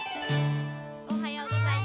おはようございます。